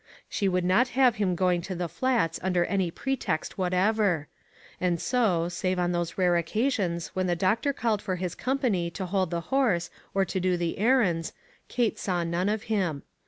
She would not have him going to the Flats under any pretext what ever ; and so, save on those rare occasions when the doctor called for his company to hold the horse or to do the errands, Kate saw none of him.